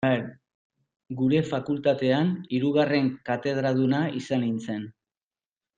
Gure fakultatean, hirugarren katedraduna izan nintzen.